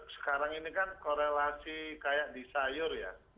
sekarang ini kan korelasi kayak di sayur ya